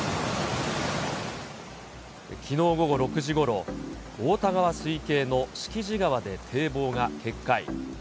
きのう午後６時ごろ、太田川水系の敷地川で堤防が決壊。